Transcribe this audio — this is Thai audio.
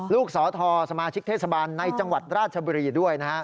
สอทสมาชิกเทศบาลในจังหวัดราชบุรีด้วยนะฮะ